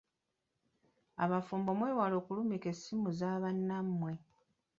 Abafumbo mwewale okulumika essimu za bannammwe.